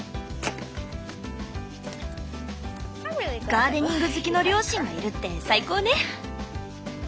ガーデニング好きの両親がいるって最高ね！